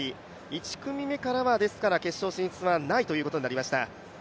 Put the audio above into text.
１組目からは決勝進出はないということになりました。